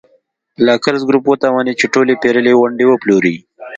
لاکزر ګروپ وتوانېد چې ټولې پېرلې ونډې وپلوري.